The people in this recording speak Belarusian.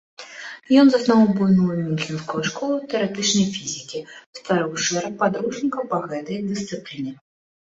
Ён заснаваў буйную мюнхенскую школу тэарэтычнай фізікі, стварыў шэраг падручнікаў па гэтай дысцыпліне.